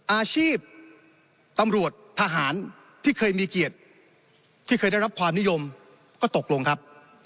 อาชีพตำรวจทหารที่เคยมีเกียรติที่เคยได้รับความนิยมก็ตกลงครับ